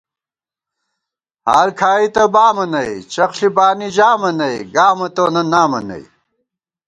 حال کھائی تہ بامہ نئ، چخݪی بانی ژامہ نئ، گامہ تونہ نامہ نئ